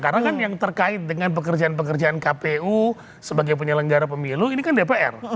karena kan yang terkait dengan pekerjaan pekerjaan kpu sebagai penyelenggara pemilu ini kan dpr